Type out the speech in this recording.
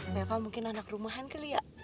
mereka mungkin anak rumahan kali ya